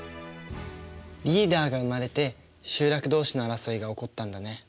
リーダーが生まれて集落同士の争いが起こったんだね。